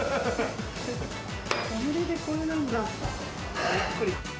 小盛りでこれなんだ。びっくり。